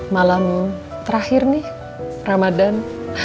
malam terakhir nih ramadhan